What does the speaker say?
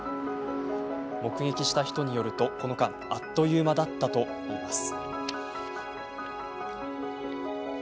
目撃した人によると、この間あっという間だったといいます。